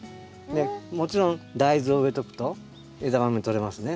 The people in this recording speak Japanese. もちろん大豆を植えとくと枝豆とれますね。